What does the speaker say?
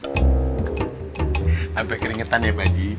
sampai keringetan ya pak haji